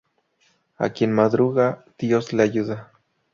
A quien madruga, Dios le ayuda